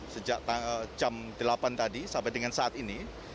sejak jam delapan tadi sampai dengan saat ini